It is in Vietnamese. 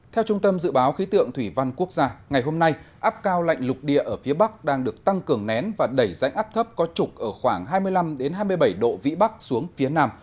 theo trung tâm dự báo khí tượng thủy văn quốc gia ngày hôm nay áp cao lạnh lục địa ở phía bắc đang được tăng cường nén và đẩy rãnh áp thấp có trục ở khoảng hai mươi năm hai mươi bảy độ vĩ bắc xuống phía nam